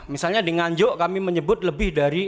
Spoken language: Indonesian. misalnya di nganjuk kami menyebut lebih dari